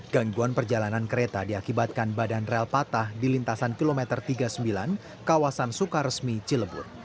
gangguan perjalanan kereta diakibatkan badan rel patah di lintasan kilometer tiga puluh sembilan kawasan sukaresmi cilebut